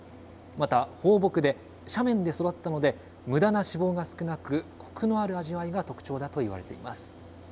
また、放牧で斜面で育ったので、むだな脂肪が少なく、こくのある味わいが特徴だといわれています。